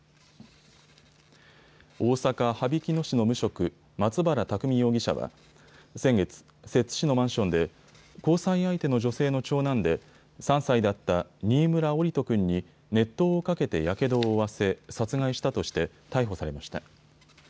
大阪羽曳野市の無職、松原拓海容疑者は先月、摂津市のマンションで交際相手の女性の長男で３歳だった新村桜利斗君に熱湯をかけてやけどを負わせ殺害したとして逮捕されました。